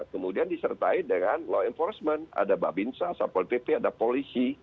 kemudian disertai dengan law enforcement ada babinsa satpol pp ada polisi